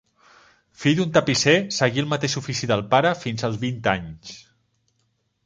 Fill d'un tapisser, seguí el mateix ofici del pare fins als vint anys.